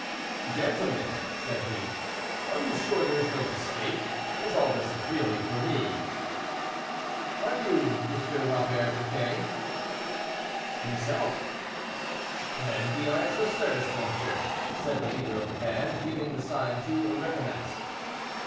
"Gentlemen," said he, "are you sure there is no mistake? is all this really for me?" "Are you M. Robert Briquet?" "Himself." "Then we are at your service, monsieur," said the leader of the band, giving the sign to recommence.